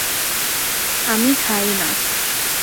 আমি খাই না।